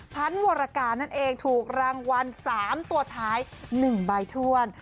วรกานั่นเองถูกรางวัล๓ตัวท้าย๑ใบถ้วน